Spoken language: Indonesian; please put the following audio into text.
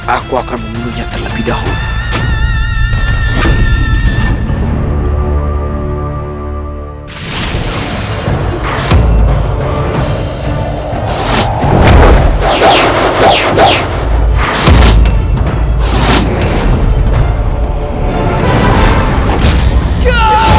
aku akan membunuhnya terlebih dahulu